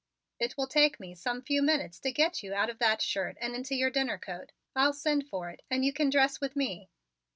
It will take me some few minutes to get you out of that shirt and into your dinner coat. I'll send for it and you can dress with me."